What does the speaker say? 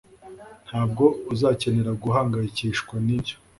Ntabwo uzakenera guhangayikishwa nibyo